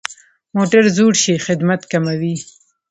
موټر زوړ شي، خدمت کموي.